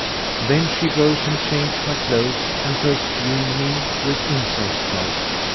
Then she rose and changed my clothes and perfumed me with incense smoke.